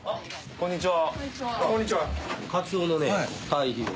こんにちは。